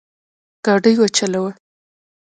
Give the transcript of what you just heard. ګاډی وچلوه